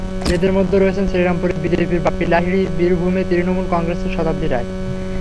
এঁদের মধ্যে রয়েছেন শ্রীরামপুরে বিজেপির বাপ্পী লাহিড়ী, বীরভূমে তৃণমূল কংগ্রেসের শতাব্দী রায়।